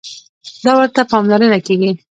دا ورته پاملرنه کېږي.